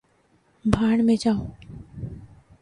بھاڑ میں جاؤ